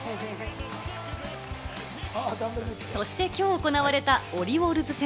そして今日行われたオリオールズ戦。